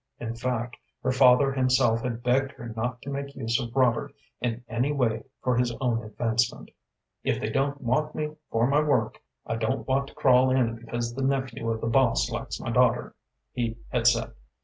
In fact, her father himself had begged her not to make use of Robert in any way for his own advancement. "If they don't want me for my work, I don't want to crawl in because the nephew of the boss likes my daughter," he had said.